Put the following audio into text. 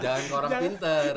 jangan ke orang pinter